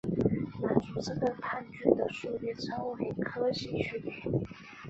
满足这个判据的数列称为柯西序列。